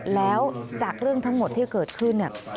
แล้วจากเรื่องทั้งหมดที่เกิดขึ้นเนี่ย